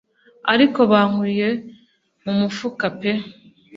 Ariko bankuye mu mufuka pe